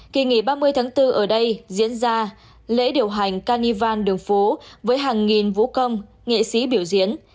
kỳ nghỉ ba mươi tháng bốn ở đây diễn ra lễ điều hành carnival đường phố với hàng nghìn vũ công nghệ sĩ biểu diễn